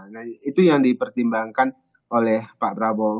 nah itu yang dipertimbangkan oleh pak prabowo